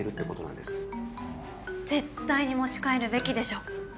絶対に持ち帰るべきでしょ。